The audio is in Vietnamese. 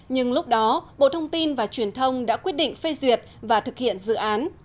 nhưng lúc đó bộ thông tin và truyền thông đã quyết định phê duyệt và thực hiện dự án